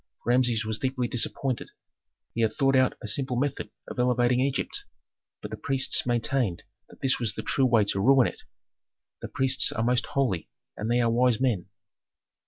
Rameses was deeply disappointed. He had thought out a simple method of elevating Egypt, but the priests maintained that that was the true way to ruin it. The priests are most holy, and they are wise men.